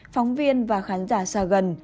phóng viên và khán giả xa gần